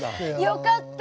よかった！